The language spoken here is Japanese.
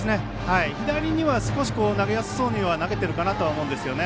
左には少し投げやすそうに投げているかなと思うんですよね。